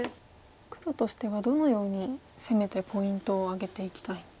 黒としてはどのように攻めてポイントを挙げていきたいんですか？